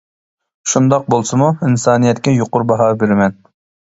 شۇنداق بولسىمۇ، ئىنسانىيەتكە يۇقىرى باھا بېرىمەن.